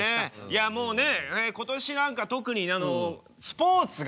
いやもうね今年なんか特にスポーツがね